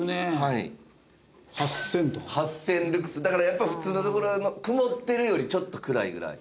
だからやっぱり普通の所曇ってるよりちょっと暗いぐらい。